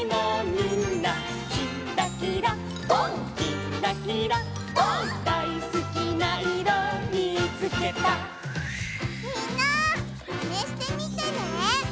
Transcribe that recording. みんなマネしてみてね！